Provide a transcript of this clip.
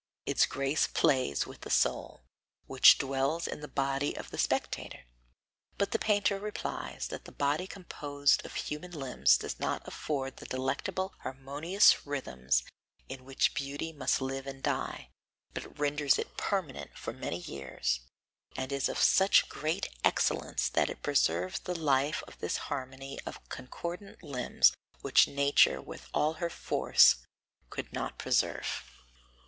its grace plays with the soul, which dwells in the body of the spectator. But the painter replies that the body composed of human limbs does not afford the delectable harmonious rhythms in which beauty must live and die, but renders it permanent for many years, and is of such great excellence that it preserves the life of this harmony of concordant limbs which nature with all her force could not preserve.